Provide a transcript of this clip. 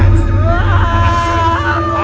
hidup adalah pilihan